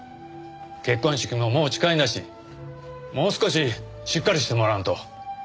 結婚式ももう近いんだしもう少ししっかりしてもらわんと。